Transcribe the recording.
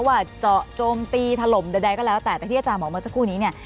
ว่าเจาะโจมตีถล่มใดก็แล้วแต่แต่ที่อาจารย์บอกเมื่อสักครู่นี้เนี่ย